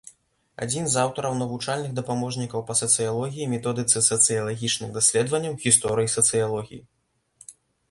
Адзін з аўтараў навучальных дапаможнікаў па сацыялогіі, методыцы сацыялагічных даследаванняў, гісторыі сацыялогіі.